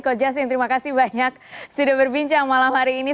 coach justin terima kasih banyak sudah berbincang malam hari ini